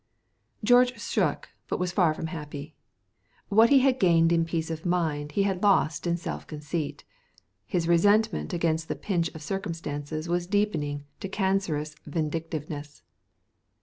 George shook, but he was far from happy. What he had gained in peace of mind he had lost in self conceit. His resentment against the pinch of circumstance was deepening to cancerous vindictiveness.